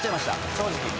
正直